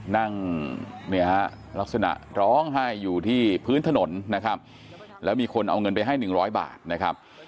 นั่งเนี่ยฮะลักษณะร้องไห้อยู่ที่พื้นถนนนะครับแล้วมีคนเอาเงินไปให้๑๐๐บาทนะครับ